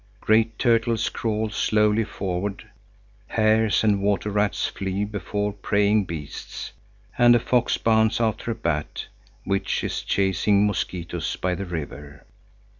Great turtles crawl slowly forward, hares and water rats flee before preying beasts, and a fox bounds after a bat, which is chasing mosquitos by the river.